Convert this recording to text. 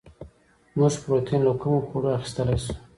موږ پروټین له کومو خوړو اخیستلی شو